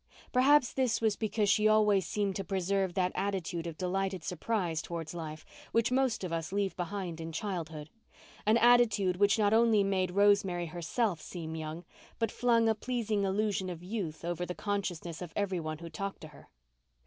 Perhaps this was because she always seemed to preserve that attitude of delighted surprise towards life which most of us leave behind in childhood—an attitude which not only made Rosemary herself seem young, but flung a pleasing illusion of youth over the consciousness of every one who talked to her.